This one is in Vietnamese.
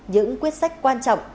những quyết sách quan trọng